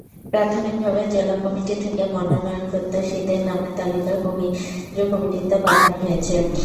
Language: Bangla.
প্রাথমিকভাবে জেলা কমিটি থেকে মনোনয়নপ্রত্যাশীদের নামের তালিকা কেন্দ্রীয় কমিটিতে পাঠানো হয়েছে।